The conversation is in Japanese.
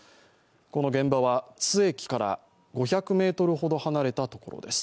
この現場は津駅から５００ｍほど離れたところです。